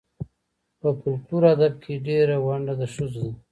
په فولکور ادب کې ډېره ونډه د ښځو ده.